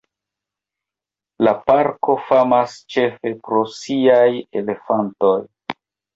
La parko famas ĉefe pro siaj elefantoj.